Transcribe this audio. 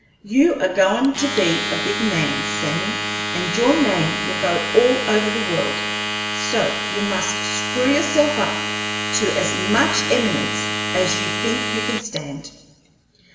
You are goin' to be a big man, Sammy, and your name will go all over the world, so you must screw yourself up to as much eminence as you think you can stand."